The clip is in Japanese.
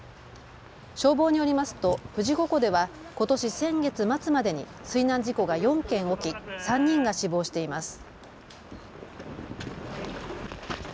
消防によりますと富士五湖ではことし先月末までに水難事故が４件起き、３人が死亡しています。